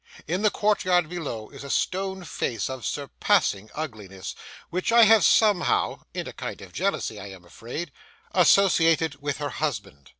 In the courtyard below is a stone face of surpassing ugliness, which I have somehow—in a kind of jealousy, I am afraid—associated with her husband.